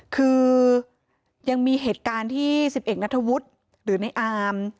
คือยังมีเหตุการณ์ที่๑๑นัทวุฒิหรือในอาม